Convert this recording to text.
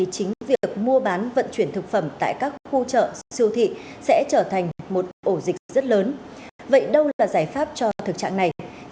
của chúng ta